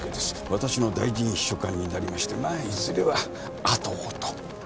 私の大臣秘書官になりましてまあいずれは跡をと。